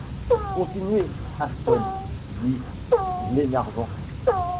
Continuez, Ayrton, dit Glenarvan.